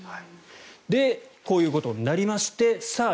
こういうことになりましてさあ、